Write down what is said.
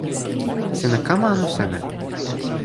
sina kama anu seme?